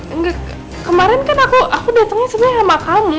enggak kemarin kan aku datangnya sebenarnya sama kamu